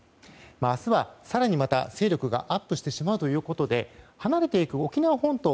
明日は更にまた勢力がアップしてしまうということで離れていく沖縄本島